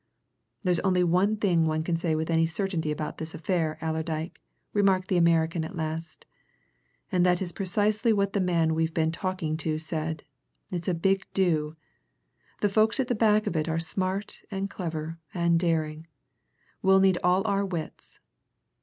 "There's only one thing one can say with any certainty about this affair, Allerdyke," remarked the American at last, "and that is precisely what the man we've been talking to said it's a big do. The folk at the back of it are smart and clever and daring. We'll need all our wits.